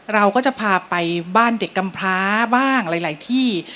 เราก็จะพาไปบ้านเด็กกำพร้าบ้างหลายที่